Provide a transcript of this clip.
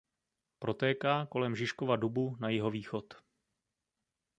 Protéká kolem Žižkova dubu na jihovýchod.